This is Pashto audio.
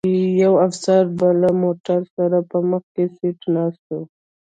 یو افسر به له موټروان سره په مخکي سیټ ناست و.